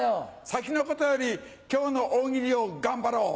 先のことより今日の大喜利を頑張ろう！